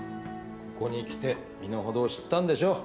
ここにきて身の程を知ったんでしょう。